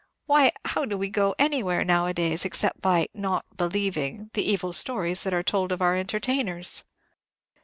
Why, how do we go anywhere, nowadays, except by 'not believing' the evil stories that are told of our entertainers."